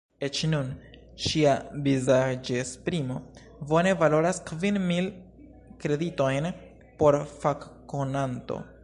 Eĉ nun, ŝia vizaĝesprimo bone valoras kvin mil kreditojn por fakkonanto.